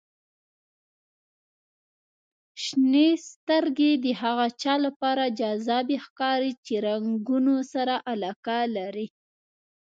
• شنې سترګې د هغه چا لپاره جذابې ښکاري چې د رنګونو سره علاقه لري.